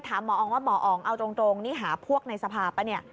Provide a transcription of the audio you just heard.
หมออองว่าหมออ๋องเอาตรงนี่หาพวกในสภาพป่ะเนี่ย